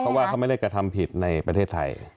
เพราะว่าเขาไม่ได้กระทำผิดในประเทศไทย